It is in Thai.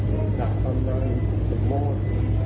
ขายแจงไม่ค่อยออก